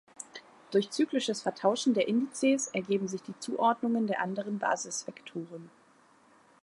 Durch zyklisches Vertauschen der Indizes ergeben sich die Zuordnungen der anderen Basisvektoren.